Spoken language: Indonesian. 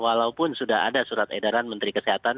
walaupun sudah ada surat edaran menteri kesehatan